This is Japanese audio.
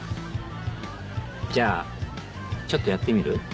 じゃあちょっとやってみる？